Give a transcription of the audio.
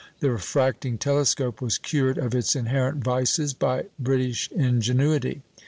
The refracting telescope was cured of its inherent vices by British ingenuity.